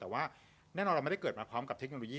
แต่ว่าแน่นอนเราไม่ได้เกิดมาพร้อมกับเทคโนโลยี